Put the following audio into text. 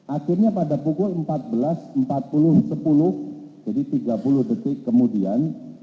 akhirnya pada pukul empat belas empat puluh sepuluh jadi tiga puluh detik kemudian